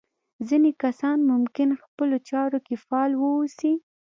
ځينې کسان ممکن خپلو چارو کې فعال واوسي.